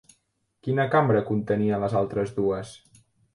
Quina cambra contenia les altres dues?